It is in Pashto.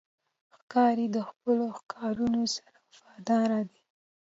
ښکاري د خپلو ښکارونو سره وفادار دی.